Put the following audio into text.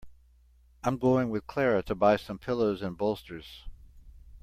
I'm going with Clara to buy some pillows and bolsters.